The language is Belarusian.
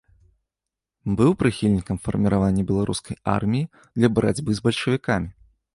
Быў прыхільнікам фарміравання беларускай арміі для барацьбы з бальшавікамі.